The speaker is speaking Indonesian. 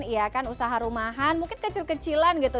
ya kan usaha rumahan mungkin kecil kecilan gitu